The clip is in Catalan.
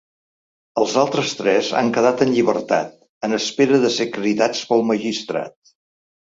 Els altres tres han quedat en llibertat en espera de ser cridats pel magistrat.